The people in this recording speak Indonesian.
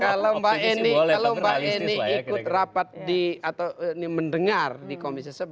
kalau mbak eni ikut rapat di atau mendengar di komisi sebelas